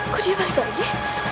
kok dia balik lagi